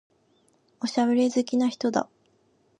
おしゃべり好きな人だ。